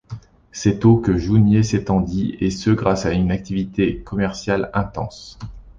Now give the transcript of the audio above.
C'est au que Jounieh s'étendit et ce grâce à une activité commerciale intense.